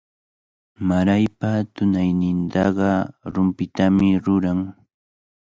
Maraypa tunaynintaqa rumpitami ruran.